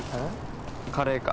カレーか？